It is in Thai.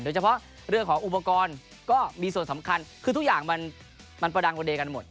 โดยเฉพาะเรื่องของอุปกรณ์ก็มีส่วนสำคัญคือทุกอย่างมันประดังประเดกันหมด